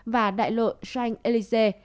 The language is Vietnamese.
và đại lộ champs élysées